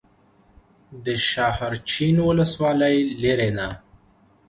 د شاحرچین ولسوالۍ لیرې ده